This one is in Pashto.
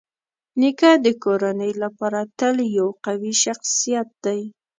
نیکه د کورنۍ لپاره تل یو قوي شخصيت دی.